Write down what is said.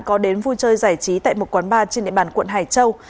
có đến vui chơi giải trí tại một quán bar trên địa bàn quận hải châu